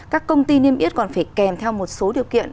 các công ty niêm yết còn phải kèm theo một số điều kiện